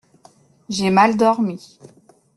J’ai mal dormi…